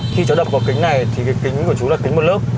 khi cháu đập vào kính này thì cái kính của chú là kính một lớp